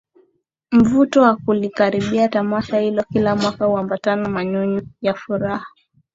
Mvuto wa kulikaribia Tamasha Hilo kila mwaka huambatana na manyunyu ya furaha